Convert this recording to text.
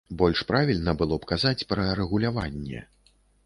Больш правільна было б казаць пра рэгуляванне.